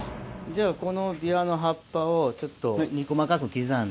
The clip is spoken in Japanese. じゃあこのビワの葉っぱをちょっと細かく刻んで。